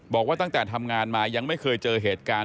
บอกว่าตั้งแต่ทำงานมายังไม่เคยเจอเหตุการณ์